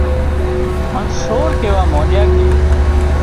هانَ سور ڪيوا مانڏيا ڪي